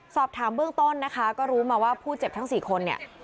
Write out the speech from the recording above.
สอบถามเบื้องต้นนะคะก็รู้มาว่าผู้เจ็บทั้ง๔คนเนี่ย